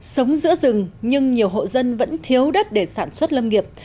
sống giữa rừng nhưng nhiều hộ dân vẫn thiếu đất để sản xuất lâm nghiệp